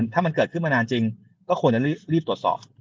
ถ้ามันเกิดขึ้นมานานจริงก็ควรจะรีบตรวจสอบ